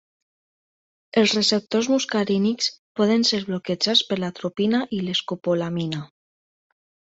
Els receptors muscarínics poden ser bloquejats per l'atropina i l'escopolamina.